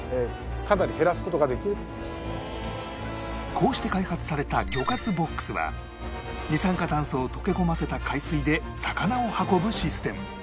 こうして開発された魚活ボックスは二酸化炭素を溶け込ませた海水で魚を運ぶシステム